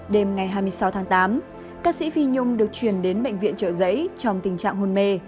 đêm ngày hai mươi sáu tháng tám ca sĩ phi nhung được chuyển đến bệnh viện trợ giấy trong tình trạng hôn mê